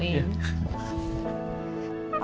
ya terima kasih bu